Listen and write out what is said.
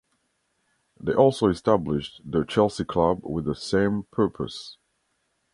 They also established the Chelsea Club with the same purpose.